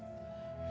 baru kita kerjain